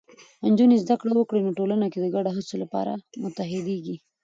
نجونې زده کړه وکړي، نو ټولنه د ګډو هڅو لپاره متحدېږي.